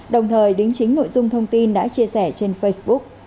đồng thời đính chính nội dung thông tin đã chia sẻ trên facebook